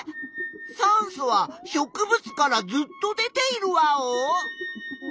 酸素は植物からずっと出ているワオ？